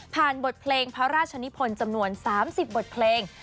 บทเพลงพระราชนิพลจำนวน๓๐บทเพลง